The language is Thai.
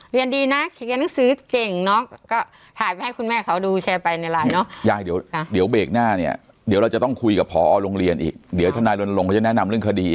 เรียนดีน่ะเขียนหนังสือเก่งน้องก็ให้คุณแม่เขาดู